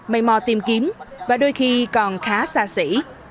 mây mò tìm kiếm và đôi khi còn khá xa xỉ